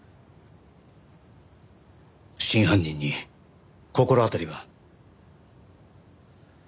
真犯人に心当たりは？